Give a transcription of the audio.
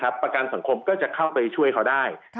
ทางประกันสังคมก็จะสามารถเข้าไปช่วยจ่ายเงินสมทบให้๖๒